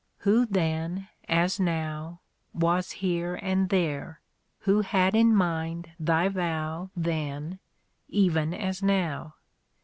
Who then as now was here and there, Who had in mind thy vow Then even as now.